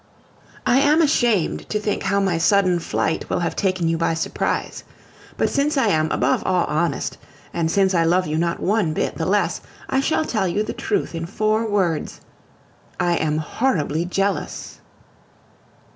I am ashamed to think how my sudden flight will have taken you by surprise. But since I am above all honest, and since I love you not one bit the less, I shall tell you the truth in four words: I am horribly jealous!